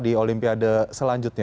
di olimpiade selanjutnya